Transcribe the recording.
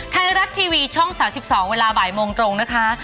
ไทยรัฐทีวีช่อง๓๒เวลาบ่ายโมงตรงนะคะ